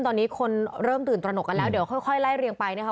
ตอนนี้คนเริ่มตื่นตระหนกกันแล้วเดี๋ยวค่อยไล่เรียงไปนะคะ